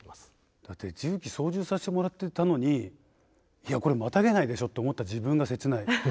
だって重機操縦させてもらってたのにいやこれまたげないでしょと思った自分が切ない。